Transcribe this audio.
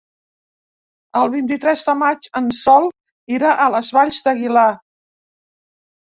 El vint-i-tres de maig en Sol irà a les Valls d'Aguilar.